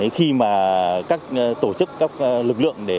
khi mà các tổ chức các lực lượng để